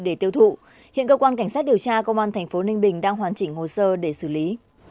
để tiêu thụ hiện cơ quan cảnh sát điều tra công an tp ninh bình đang hoàn chỉnh hồ sơ để xử lý